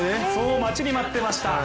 待ちに待ってました。